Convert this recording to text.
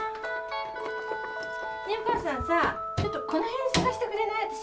ねえお母さんさちょっとこの辺捜してくれない？